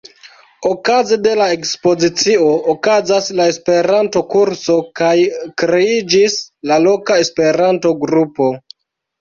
Okaze de la ekspozicio okazas la Esperanto-kurso kaj kreiĝis la loka Esperanto-grupo.